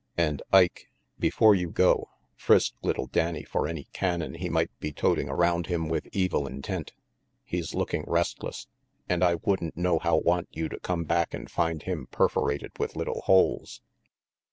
And Ike, before you go, frisk little Danny for any cannon he might be toting around him with evil intent. He's looking restless, and I wouldn't nohow want you to come back and find him perforated with little holes."